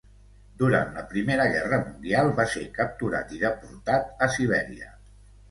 Durant la Primera Guerra Mundial va ser capturat i deportat a Sibèria.